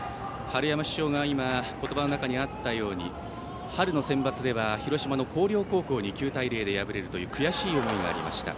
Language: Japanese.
春山主将が今言葉の中にあったように春のセンバツでは広島・広陵高校に９対０で敗れるという悔しい思いがありました。